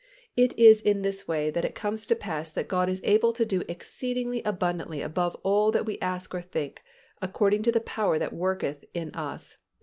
It is in this way that it comes to pass that God is able to do exceedingly abundantly above all that we ask or think, according to the power that worketh in us (Eph.